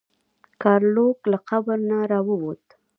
ګارلوک له قبر نه راووت.